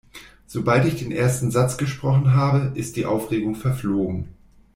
Sobald ich den ersten Satz gesprochen habe, ist die Aufregung verflogen.